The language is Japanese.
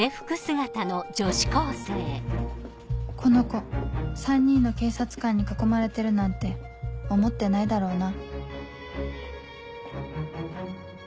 この子３人の警察官に囲まれてるなんて思ってないだろうな